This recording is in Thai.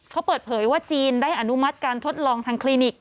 เขาเปิดเผยว่าจีนได้อนุมัติการทดลองทางคลินิก